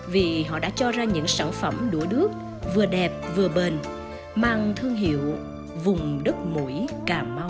vì họ đã cho ra những sản phẩm đũa đước vừa đẹp vừa bền mang thương hiệu vùng đất mũi cà mau